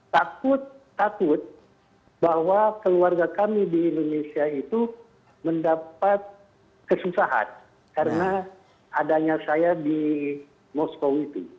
takut takut bahwa keluarga kami di indonesia itu mendapat kesusahan karena adanya saya di moskow itu